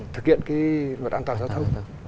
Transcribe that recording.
thực hiện cái vật an toàn giáo thông